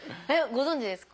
ご存じですか？